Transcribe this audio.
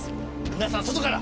皆さんは外から！